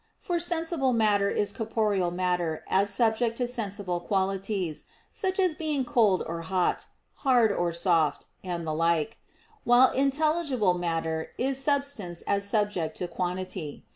For sensible matter is corporeal matter as subject to sensible qualities, such as being cold or hot, hard or soft, and the like: while intelligible matter is substance as subject to quantity.